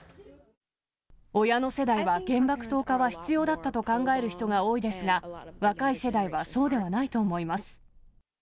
親の世代は原爆投下は必要だったと考える人が多いですが、若い世代はそうではないと思います。